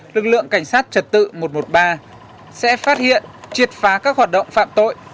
lực lượng cảnh sát trật tự một một ba sẽ phát hiện triệt phá các hoạt động phạm tội